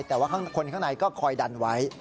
แต่ว่าข้างคนข้างในก็คอยดันไว้